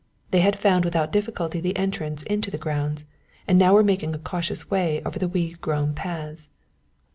They had found without difficulty the entrance into the grounds, and now were making a cautious way over the weed grown paths.